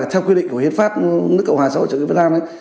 theo quy định của hiến pháp nước cộng hòa xã hội chủ nghĩa việt nam